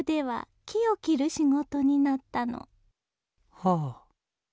はあ。